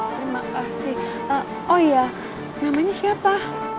terima kasih oh ya namanya siapa